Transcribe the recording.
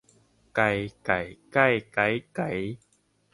ไก ไก่ ไก้ ไก๊ ไก๋